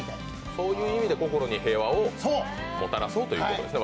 そういう意味で心に平和をもたらそうということですね。